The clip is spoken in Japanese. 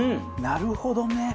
なるほどね。